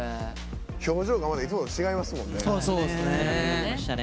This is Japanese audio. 表情がまたいつもと違いましたもんね。